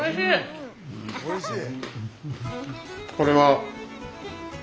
おいしい。